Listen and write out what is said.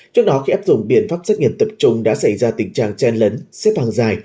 trước đó khi áp dụng biện pháp xét nghiệm tập trung đã xảy ra tình trạng chen lấn xếp hàng dài